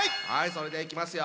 それではいきますよ